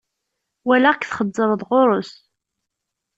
Walaɣ-k txeẓẓreḍ ɣur-s.